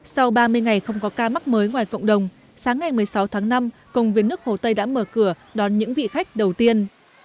sau ba mươi ngày không có ca mắc mới ngoài cộng đồng sáng ngày một mươi sáu tháng năm công viên nước hồ tây đã mở cửa đón những vị khách đầu tiên